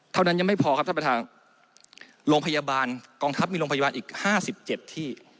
เท่านั้นยังไม่พอครับท่านประธานโรงพยาบาลกองทัพมีโรงพยาบาลอีก๕๗ที่